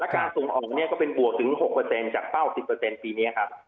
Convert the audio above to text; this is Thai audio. การส่งออกเป็นบวกถึง๖เปอร์เซ็นต์จากเฝ้า๑๐เปอร์เซ็นต์ปีนี้ครับ